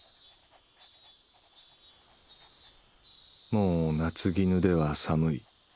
もう夏衣では寒い。